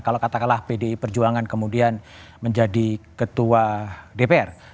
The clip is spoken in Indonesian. kalau katakanlah pdi perjuangan kemudian menjadi ketua dpr